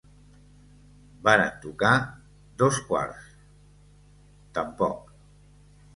Varen tocar dos quarts… tampoc.